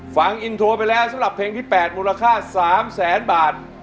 ฟังอินโทรไปแล้วสำหรับเพลงที่๘มูลค่า๓แสนบาท